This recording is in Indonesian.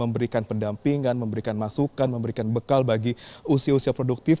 berdampingan memberikan masukan memberikan bekal bagi usia usia produktif